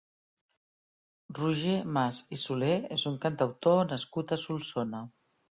Roger Mas i Solé és un cantautor nascut a Solsona.